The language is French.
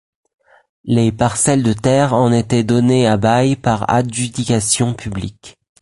Les parcelles de terre en étaient données à bail par adjudication publique.